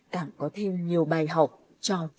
càng có thêm nhiều bài học cho chính mình